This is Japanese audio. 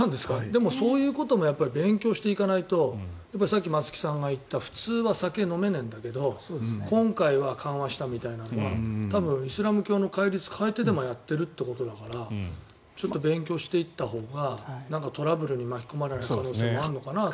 でも、そういうことも勉強していかないとさっき、松木さんが言った普通は酒を飲めないんだけど今回は緩和したみたいなのは多分、イスラム教の戒律を変えてでもやっているということだからちょっと勉強していったほうがトラブルに巻き込まれる可能性もあるのかなと。